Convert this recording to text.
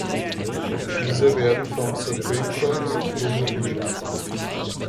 Diese werden vom Supreme Court promulgiert.